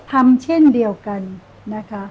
ทำเช่นเดียวกันนะคะ